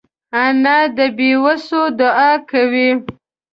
انا د بېوسو دعا کوي